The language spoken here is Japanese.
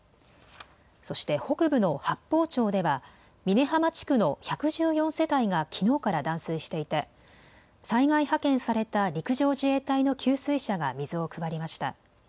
そして北部の八峰町では峰浜地区の１１４世帯がきのうから断水していて災害派遣された陸上自衛隊の給水車が水を配りました。